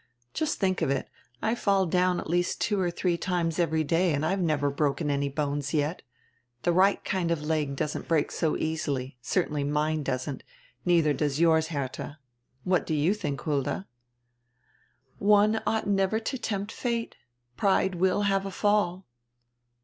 "Just diink of it, I fall at least two or diree times every day and have never broken any bones yet. The right kind of leg doesn't break so easily; certainly mine doesn't, neidier does yours, Herdia. What do you diink, Hulda?" "One ought not to tempt fate. Pride will have a fall."